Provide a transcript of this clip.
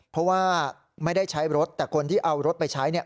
เพราะว่าไม่ได้ใช้รถแต่คนที่เอารถไปใช้เนี่ย